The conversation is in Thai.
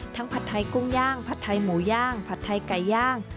ผัดไทยกุ้งย่างผัดไทยหมูย่างผัดไทยไก่ย่าง